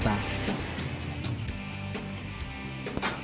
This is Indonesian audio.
terima kasih pak